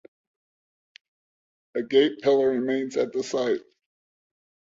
A gate pillar remains at the site.